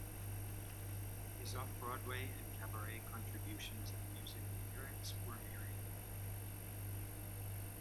His off-Broadway and cabaret contributions of music and lyrics were myriad.